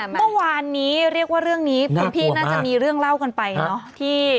เมื่อวานนี้เรียกว่าเรื่องนี้คุณพี่น่าจะมีเรื่องเล่ากันไปเนอะ